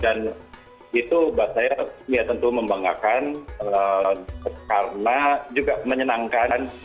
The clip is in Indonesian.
dan itu buat saya ya tentu membanggakan karena juga menyenangkan